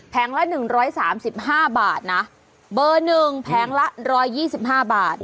ละ๑๓๕บาทนะเบอร์๑แผงละ๑๒๕บาท